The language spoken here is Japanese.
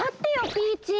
ピーチー！